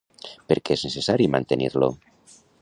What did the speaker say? Per què és necessari mantenir-lo?